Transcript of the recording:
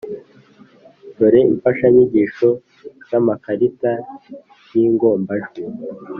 dore imfashanyigisho: zamakarita y’ingombajwi,